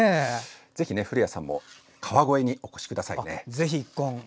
ぜひ古谷さんも川越にお越しください。